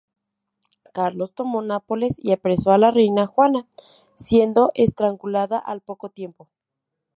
Carlos tomó Nápoles y apresó a la reina Juana, siendo estrangulada al poco tiempo.